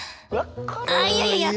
あいやいやいや！